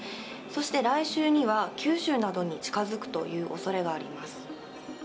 そして来週には、九州などに近づくというおそれがあります。